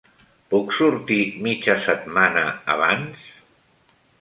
Puc sortir mitja setmana abans?